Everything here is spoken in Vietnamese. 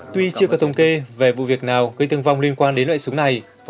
tuy chưa có thông kê về vụ việc nào gây thương vong liên quan đến loại súng này